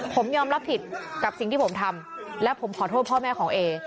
ผมยอมรับผิดกับสิ่งที่ผมทำและผมขอโทษพ่อแม่ของเอ